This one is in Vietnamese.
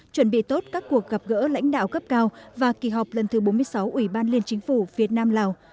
chuẩn bị tốt các cuộc gặp gỡ lãnh đạo cấp cao và kỳ họp lần thứ bốn mươi sáu ủy ban liên chính phủ việt nam lào